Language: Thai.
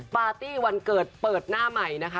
ปาร์ตี้วันเกิดเปิดหน้าใหม่นะคะ